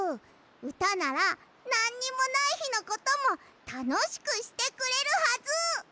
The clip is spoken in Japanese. うたならなんにもないひのこともたのしくしてくれるはず！